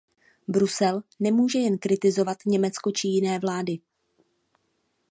Brusel nemůže jen kritizovat Německo či jiné vlády.